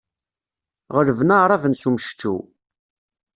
Ɣelben aɛraben s umceččew.